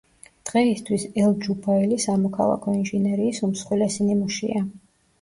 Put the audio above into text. დღეისთვის ელ-ჯუბაილი სამოქალაქო ინჟინერიის უმსხვილესი ნიმუშია.